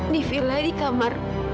di vila di kamar